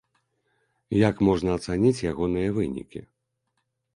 Як можна ацаніць ягоныя вынікі?